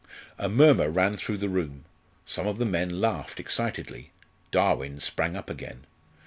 A murmur ran through the room. Some of the men laughed excitedly. Darwin sprang up again.